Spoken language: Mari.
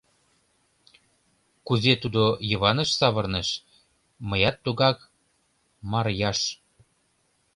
— Кузе тудо Йываныш савырныш, мыят тугак — Марйаш.